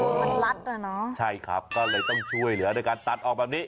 มันลัดอ่ะเนอะใช่ครับก็เลยต้องช่วยเหลือด้วยการตัดออกแบบนี้